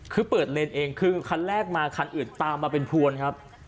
คือเปิดเลนส์ขั้นแรกมาคนอื่นตามมันเป็นกับพวนครับ